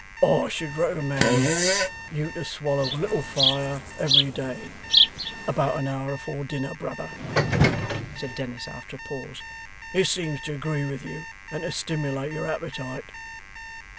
'I should recommend you to swallow a little fire every day, about an hour afore dinner, brother,' said Dennis, after a pause. 'It seems to agree with you, and to stimulate your appetite.